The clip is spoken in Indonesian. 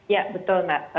ya betul mbak